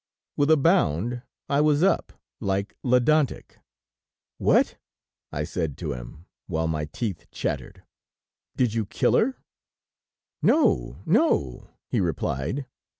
With a bound I was up, like Ledantec. "What!" I said to him, while my teeth chattered: "Did you kill her?" "No, no," he replied.